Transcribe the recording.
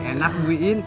enak bu iin